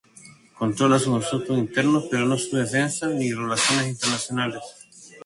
Controlan sus asuntos internos, pero no su defensa ni relaciones internacionales.